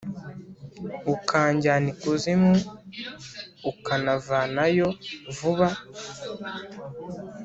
ukajyana Ikuzimu, ukanavanayo vuba